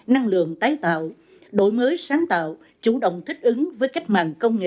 năng lượng tái tạo đổi mới sáng tạo chủ động thích ứng với cách mạng công nghệ